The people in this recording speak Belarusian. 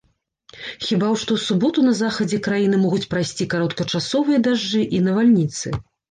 Хіба што ў суботу на захадзе краіны могуць прайсці кароткачасовыя дажджы і навальніцы.